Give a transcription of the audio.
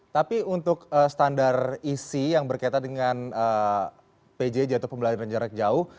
tapi untuk standar isi yang berkaitan dengan pjj atau pembelajaran jarak jauh